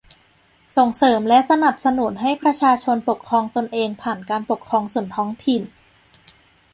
ส่งเสริมและสนับสนุนให้ประชาชนปกครองตนเองผ่านการปกครองส่วนท้องถิ่น